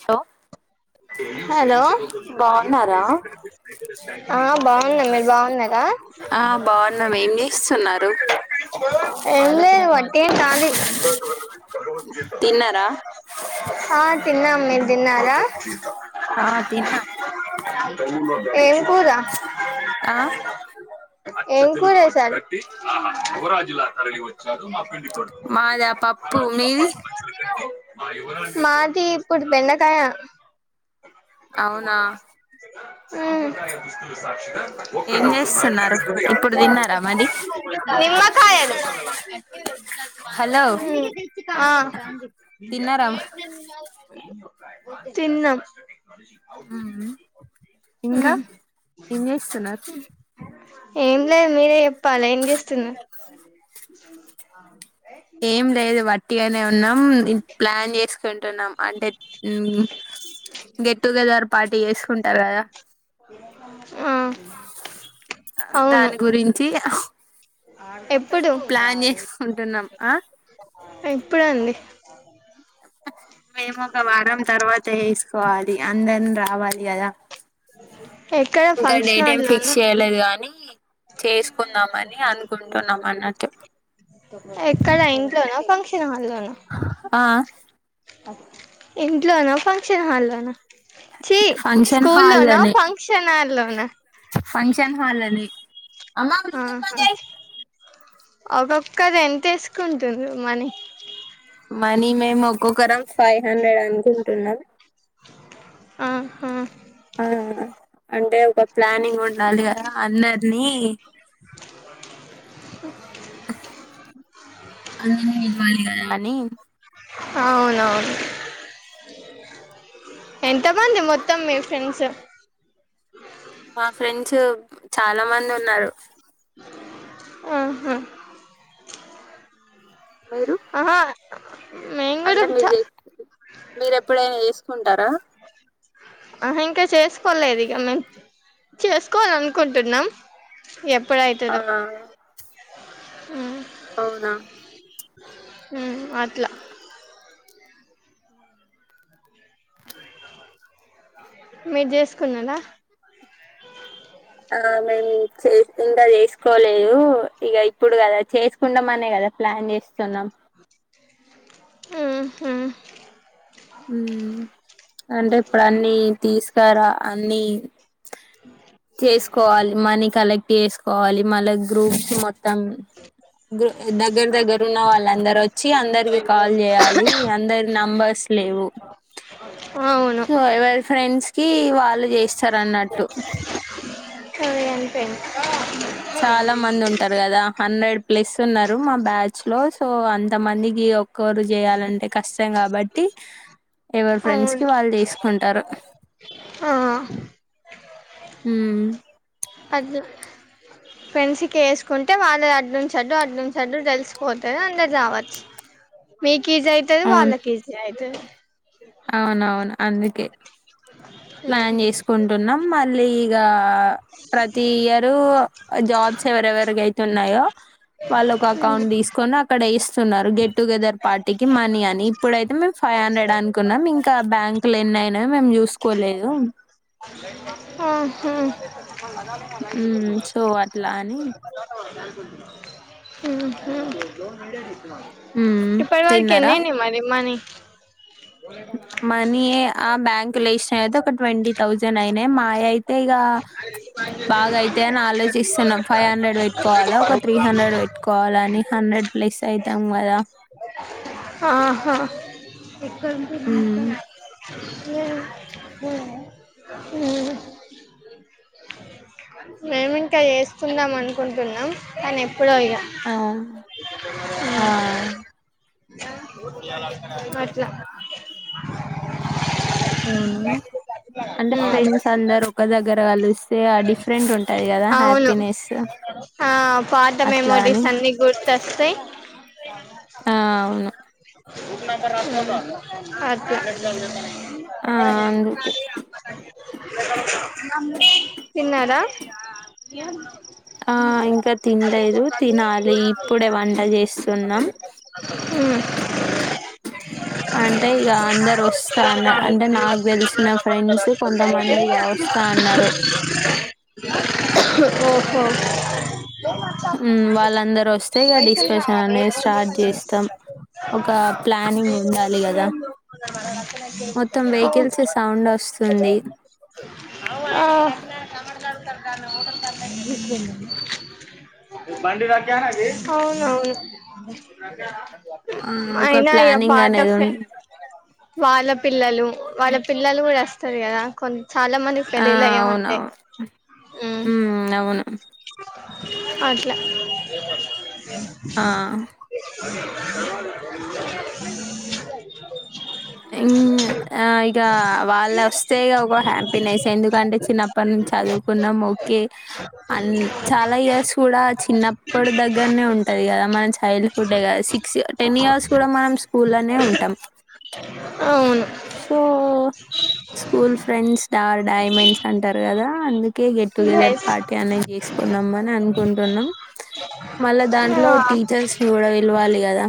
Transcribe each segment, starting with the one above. చో [inaudible] హలో ఆ బాగున్నా మీరు బాగున్నరా ఆ బాగున్నాం ఏం చేస్తున్నారు లేదు వంటేం కాలే తిన్నారా ఆ తిన్నాం మీరు తిన్నారా ఆ తిన్నా ఏం కూర ఆ ఏం కూర చేశారు. మాదా పప్పు మీది [unintelligible] మాది ఇప్పుడు బెండకాయ [unintelligible] అవునా హు ఏం చేస్తున్నారు ఇప్పుడు తిన్నారా మరి నిమ్మకాయలు హలో [unintelligible] ఆ తిన్నారా [unintelligible] తిన్నం ఊ ఇంకా ఉమ్ ఏంచేస్తున్నారు. ఏం లేదు మీరే చెప్పాలి ఏం చేస్తున్నరు. ఏం లేదు వట్టిగా నే ఉన్నాం ఇన్ ప్లాన్ జేస్ టున్నాం అంటే ఉమ్ గెట్ టుగెదర్ పార్టీ ఏసుకుంటారు గదా ఆ అవును దాని గురించి ఎప్పుడు ప్లాన్ చేసుకుంటున్నాం ఆ ఎప్పుడండి మేము ఒక వారం తర్వాత ఏసుకోవాలి ఆ అందన్ రావాలి గదా [inaudible] ఇంకా ఫంక్షన్ డేట్ ఏమి ఫిక్స్ హాల్లోనా చేయలేదు గానీ చేసుకుందామని అనుకుంటున్నాం అన్నట్టు ఎక్కడ ఇంట్లోన ఫంక్షన్ హాల్ లోన ఆ ఇంట్లోనా ఫంక్షన్ హాల్లోన చీ ఫంక్షన్ స్కూల్ లో నా హాల్లోనే ఫంక్షన్ హల్ లోన ఉ న ఫంక్షన్ హాళ్లనే అమ్మా బ్లూటూత్ బంజేయి ఒకొక్కరు ఎంత ఏసుకుంటూన్రు మనీ మనీ మేము ఒక్కొక్కరం ఫైవ్ హండ్రెడ్ అన్కుంటున్నాం ఆ హా ఆ అంటే ఒక ప్లానింగ్ ఉండాలి గదా అందర్నీ [inaudible] అందర్నీ పిలవాలి గదా అని అవునవును ఎంతమంది మొత్తం మీ ఫ్రెండ్స్ మా ఫ్రెండ్స్ చాలా మంది ఉన్నారు ఆహా మీరు అహ [inaudible] అంటే మీది మీరు ఎప్పుడైనా ఏసుకుంటారా అహ ఇంకా చేస్కోలేదు ఇగ మేం చేసుకోవాల అనుకుంటున్నాం ఎప్పుడ్ ఆ అయితదో అవునా ఉం అట్లా మీరు చేసుకున్నారా ఆ మేము చే ఇంకా చేసుకోలేదు ఇక ఇప్పుడు కదా చేసుకుంటాం అనే కదా ప్లాన్ చేస్తున్నాం ఉహు అంటే ఇప్పుడు అన్నిీ తీసుకారా అన్నిీ చేసుకోవాలి మనీ క అలెక్ వేసుకోవాలి మళ్ళ గ్రూప్స్ మొత్తం దగ్గర దగ్గర ఉన్న వాళ్ళు అంద వచ్చి అందరికి కాల్ చేయాలి అందరి నంబర్ లేవు అవును సో ఎవరి ఫ్రెండ్స్ కి వాళ్ళు చేస్తారు అన్నట్టు పేం చాలా మంది ఉంటారు కదా హండ్రెడ్ ప్లస్ ఉన్నారు మా బ్యాచ్ లో సో అంత మందికి ఒక్కరు చేయాలంటే కష్టం కాబట్టి ఎవరు ఫ్రెండ్స్కి అవును వాళ్ళు తీసుకుంటారు ఆ హ్మ్మ్ అ ఫెంస్కి వేసుకుంటే వాళ్ళ అడ్ంచడు అటు నుంచి అటు తెలిసిపోతుారు అందరు రావచ్చు మీకు కేజీ అవుతుది అవును వాాల కేజీ అవుతుది అవునవును అందుకే ఉమ్ ప్లాన్ చేసుకుంటున్నాం మళ్ళీ ఇగ ప్రతి ఇయరు జాబ్స్ ఎవరెవరి అయితున్నాయో వాళ్ళు ఒక అకౌంట్ తీసుకొని అక్కడ ఇస్తే ఉన్నారు గెట్ టుగెదర్ పార్టీకి మనీ అని ఇప్పుడైతే మే ఫైవ్ హండ్రెడ్ అనుకున్నాం ఇ బ్యాంక్ లు ఎన్నయినా మేము చూస్తా కోలేదు ఆ హమ్ ాల మలా పలాని మడి హ్మ్. ఇప్పటి వరకు ఎన్ని తిన్నారా? అయినాయి మరి మనీ పో మనీ ఆ బ్యాంకు లోసిన అయితే ఒక ట్వంటీ థౌజండ్ అయినాయి మాయ అయితే ఇక బాగా అయితా అని ఆలోచిస్తున్నాం ఫైవ్ హండ్రెడ్ పెట్టుకోవాలా ఒక త్రీ హండ్రెడ్ పెట్టుకోవాల అని హండ్రెడ్ ప్లస్ అయితాం కదా ఆహా హ్మ్. ఎ ఇం చేసుకుందాం అనుకుంటున్నాం కాని ఎ అవును ఆ ఎం అట్లా అవును అంటే ఉమ్ ఫ్రెండ్స్ అందరు ఒక దగ్గర కలిస్తే ఆ డిఫరెంటుం టది కదా అవును హ్యాపీనెస్ ఆ పాత అట్లా అని. మెమోరీస్ అన్ని గుర్తొస్తాయి ఆ అవును [unintelligible] ఆ అందుకే తిన్నారా ఆ ఇంకా తిన్లేదు తినాలి ఇప్పుడే వంట చేస్తున్నాం మ్మ్ అంటే ఇక అందరు వస్తాన్న అంటే నాకు తెలిసిన ఫ్రెండ్స్ కొంతమం ఓహో మ్మ్ వాళ్ళందరు వస్తే ఇగ పైసలు డిస్కషన్ కావాలే అనేది స్టార్ట్ చేస్తాం ఒక ప్లానింగ్ ఉండాలి కదా మొత్తం వెహికల్స్ సౌండ్ వస్తుంది [inaudible] [inaudible] బండి రా అవునవును ఆ ఒక అయినా ఇగ ప్లానింగ్ పాత అనేది ఫ్రె ఉన్ వాళ్ళ పిల్లలు వాళ్ళ పిల్లలు కూడా వస్ పది కదా కొన్ చాలా మంది పెళ్లిళ్లు అయ్యే ఉంటాయి ఉమ్ అవును అట్ల ఆ ఆ ఇక వాళ్ళు వస్తే ఒక హ్యాపీనెస్ ఎందుకంటే చిన్నప్పటి నుంచి చదువుకున్నాం ఓకే అన్ చాలా ఇయర్స్ కూడా చిన్నప్పుడు దగ్గరనే ఉంటది కదా మనం చైల్డ్ హుడ్డే కదా సిక్స్ టెన్ ఇయర్స్ కూడా మనం స్కూల్ లోనే ఉంటం అవును so school friends are diamonds అంటారు కదా అందుకే గెట్ టుగెదర్ ఎస్ పార్టీ అనేది చేసుకున్నాం అని అనుకుంటున్నాం మళ్ళా దాంట్లో ఆ టీచర్స్ ని కూడా పిలవాలి కదా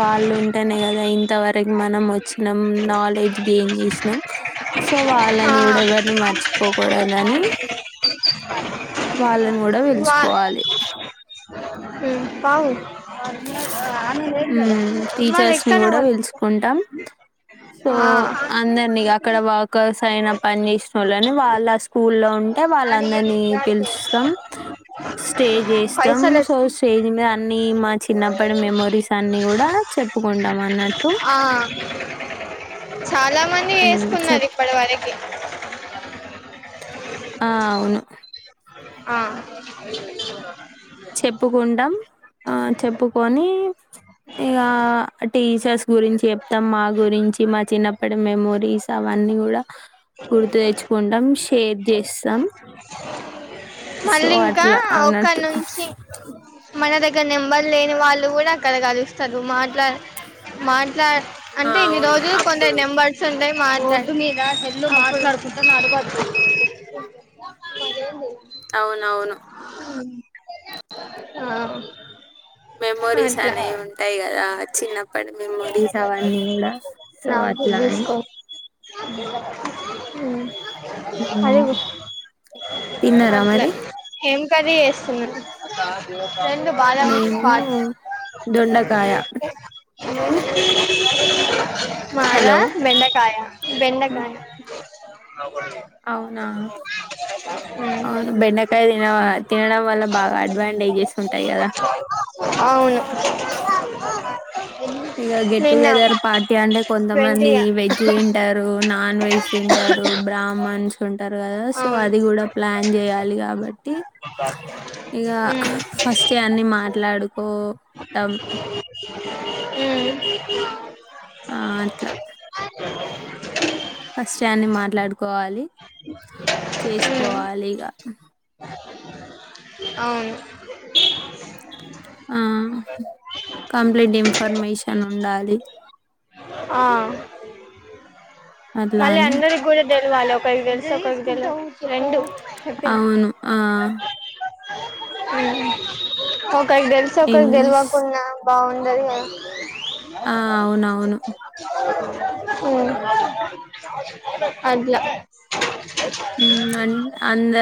వాళ్ళుంటేనే కదా ఇంతవర మనం వచ్చినాం నాలెడ్జ్ గెయిన్ చేసినాం సో ఆ వాళ్ళని కూడా ఎవరిని మర్చిపోకూడదని. వాళ్ళని కూడా పిలుచుకోవాలి. [unintelligible] పావు [unintelligible] హ్మ్ టీచర్స్ ని ఎక్కన కూడా పిలుసుకుంటాం. సో ఆ అందరినీ అక్కడ వర్కర్స్ అయినా, పని చేసిన వాళ్ళని వాళ్ళ స్కూల్ లో. అంటే వాళ్ళందరినీ పిలుస్తాం. స్టేజ్ చేస్తాం పైసలు సో స్టేజ్ మీద అన్నీ మా చిన్నప్పటి మెమోరీస్ అన్నీ కూడా చెప్పుకుంటాం అన్నట్టు. బుబూ [unintelligible] చాలా మంది ఉమ్ వేసుకున్నారు చెప్ ఇప్పటి వరకు. ఆ అవును ఆ [unintelligible] చెప్పుకుంటాం, ఆ చెప్పుకొని ఇగ టీచర్స్ గురించి చెప్తాం. మా గురించి, మా చిన్నప్పటి మెమోరీస్ అవన్నీ కూడా గుర్తు తెచ్చుకుంటాం. షేర్ చేసి. సో మళ్ళీ ఇంకా అట్లా ఒక అన్నట్టు నుంచి. చీ. మన దగ్గర నెంబర్ లేని వాళ్ళు కూడా అక్కడ కలుస్తారు మాట్లా మాట్. ఇట్లా ఆ, అంటే ఇన్ని అవును రోజులు కొంత అప్పుడు నెంబర్స్ ఉంటాయి. మర్నాడు నిద సెల్ మారతాడు మంట నాడుగు వంది. [unintelligible] [unintelligible] మరెంది అవును అవును. [unintelligible] ఆ మెమోరీస్ అట్లా అనేవి ఉంటాయి కదా. చిన్నప్పటి మెమోరీస్ అవన్నీ కూడా సో అట్లా అని. [unintelligible] ఉమ్ [unintelligible] అదే మ్మ్. తిన్నారా మరి. ఏం కర్రీ చేస్తున్నారు. [unintelligible] రెండు బాద మక్స్ మేము పాల్. దొండకాయ [unintelligible] కిక్ కిక్. మీది [unintelligible] మాద హలో బెండకాయ మ్మ్. బెండకాయ. ఆ [unintelligible] అ అవునా [unintelligible] అవును బెండకాయ తిన తినడం వల్ల బాగా అడ్వాంటేజెస్ ఉంటాయి కదా. అవును ఇక గెట్ నిన్న టుగెదర్ పార్టీ అంటే కొంతమంది ట్వంటీగా వెజ్ తింటారు నాన్ వెజ్ తింటారు బ్రాహ్మణస్ ఉంటారు కదా సో అవును అది కూడా ప్లాన్ చేయాలి కాబట్టి ఇక ఉమ్, ఫస్ట్ అన్ని మాట్లాడుకోటం అ ఆ అట్లా ఫస్ట్ అన్ని మాట్లాడుకోవాలి అ చేసుకోవాలి ఇక అవును కంప్లీట్ ఇన్ఫర్మేషన్ ఉండాలి ఆ అట్లా మళ్ళీ అని అందరికి కూడా తెలివాలి ఒక తెలు [unintelligible] రెండు అవును ఆ అ ఒక తెలిస్ ఏం ఒకరికి చేస్ తెెలివకుండా బాగుండదు కదా ఆ అవునవును మ్ అట్లా మ్ అ అంద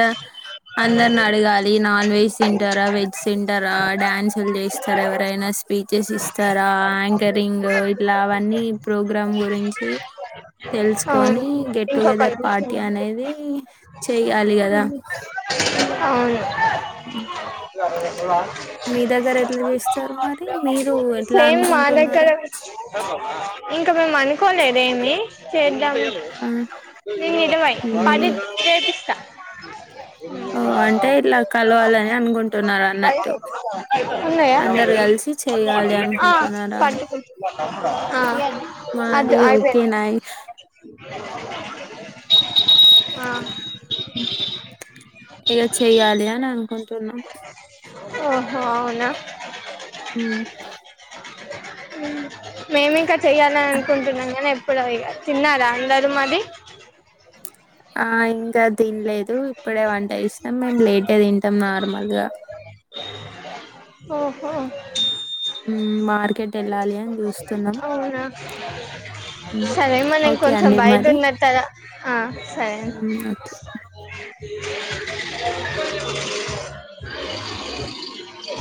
అందరిని అడగాలి, నాన్ వెజ్ తింటారా, వెజ్ తింటారా, డ్యాన్సులు చేస్తారా ఎవరైనా స్పీచెస్ ఇస్తారా, యాంకరింగ్ ఇట్లా అవన్నీ ప్రోగ్రామ్ గురించి అవును తెలుసుకొని గెట్ టు ఇంకొక గెదర్ పార్ట్ నిమిషం అనేది కదా అవును [inaudible] మీ దగ్గర ఎట్లా చేస్తారు మరి మీరు ఎట్లా సేమ్ మా అనుకుంటున్నారు దగ్గర ఇంకా మేము అనుకోలేద్ ఏమి ఆ ఇరవై మ్మ్ పది చే ష్టా ఆ అంటే ఇట్లా కలవాలని అనుకుంటున్నారు అన్నట్టు ఉన్నాయా అందరు కలిసి చెయ్యాలి ఆ అనుకుంటున్నారా పట్టుకో ఆ అద్దు మాది అయిపోయింది ఓకేనాయ్ ఆ ఇగ చెయ్యాలి అని అనుకుంటున్నా ఓహో అవునా ఊ మేమింక చేయాలని అనుకుంటున్నాం గాని ఇప్పుడు ఇ తిన్నారా అందరూ మరి ఆహ్ ఇంకా తినలేదు ఇప్పుడే వంట చేసినం మేము లేట్గా తింటాం నార్మల్ గా ఓహో ఊ మార్కెట్ వెళ్ళాలి అని చూస్త అవునా మ్ సరే మనం ఓకే కొంచెం అండి బయట మరి ఉన్నస్తారా ఆహ్ సరే మ్ ఓకే అం [inaudible]